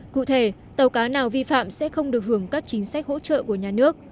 cụ thể tàu cá nào vi phạm sẽ không được hưởng các chính sách hỗ trợ của nhà nước